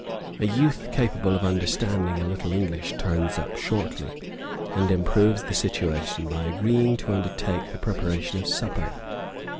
A youth capable of understanding a little English turns up shortly, and improves the situation by agreeing to undertake the preparation of supper.